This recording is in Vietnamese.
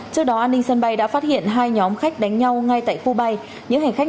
trước đó an ninh sân bay đã phát hiện hai nhóm khách đánh nhau ngay tại khu bay những hành khách